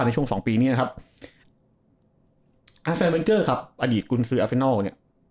ในช่วงสองปีนี้นะครับอาเซเวนเกอร์ครับอดีตกุญซืออาเซนัลเนี่ย